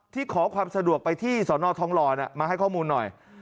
ขอความสะดวกไปที่สนทองหล่อมาให้ข้อมูลหน่อย